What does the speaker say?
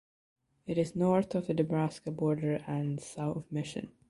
It is north of the Nebraska border and south of Mission.